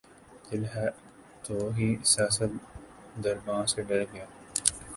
دل ہی تو ہے سیاست درباں سے ڈر گیا